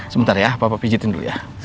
sebentar ya papa pijetin dulu ya